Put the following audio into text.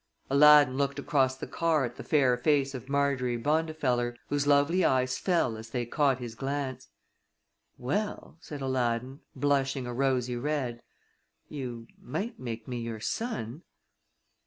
Aladdin looked across the car at the fair face of Marjorie Bondifeller, whose lovely eyes fell as they caught his glance. "Well," said Aladdin, blushing a rosy red, "you might make me your son."